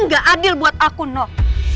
aku tuh lagi ngebelain kamu loh